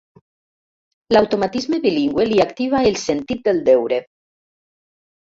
L'automatisme bilingüe li activa el sentit del deure.